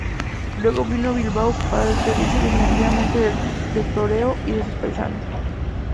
Luego vino a Bilbao para despedirse definitivamente del toreo y de sus paisanos.